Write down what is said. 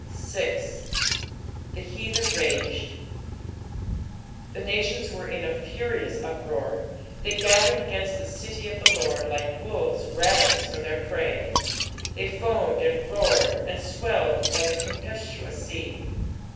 fl. " The heathen mged." The nations were in a furious uproar, they gathered against the city of the I^ord like wolves ravenous for their prey ; they foamed, and roared, and swelled like a tempiestuous sea.